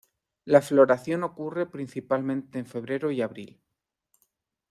La floración ocurre principalmente en febrero y abril.